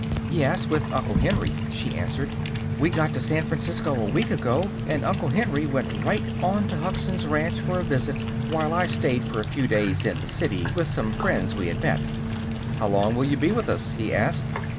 "Yes; with Uncle Henry," she answered. "We got to San Francisco a week ago, and Uncle Henry went right on to Hugson's Ranch for a visit while I stayed a few days in the city with some friends we had met." "How long will you be with us?" he asked.